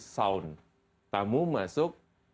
sound tamu masuk